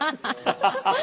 ハハハハ！